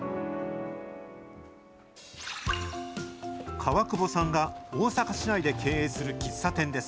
川久保さんが大阪市内で経営する喫茶店です。